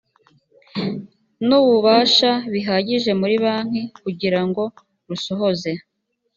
n ububasha bihagije muri banki kugira ngo rusohoze